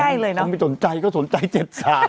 ไม่ใกล้เลยเนอะถ้าไม่สนใจก็สนใจเจ็ดสาม